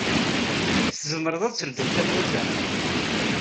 Tzemred ad tledyed tawwurt-a?